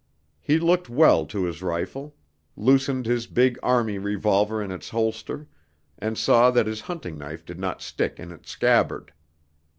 He looked well to his rifle, loosened his big army revolver in its holster, and saw that his hunting knife did not stick in its scabbard.